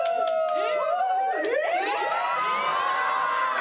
え！